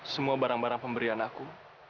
semua barang barang pemberian aku